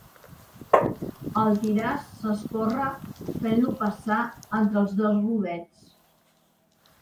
El tiràs s'escorre fent-lo passar entre els dos rodets.